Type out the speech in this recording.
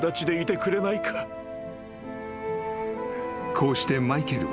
［こうしてマイケルは］